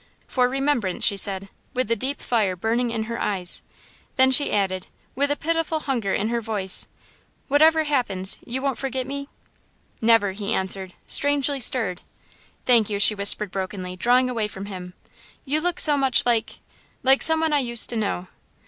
"For remembrance," she said, with the deep fire burning in her eyes. Then she added, with a pitiful hunger in her voice: "Whatever happens, you won't forget me?" "Never!" he answered, strangely stirred. "Thank you," she whispered brokenly, drawing away from him. "You look so much like like some one I used to know."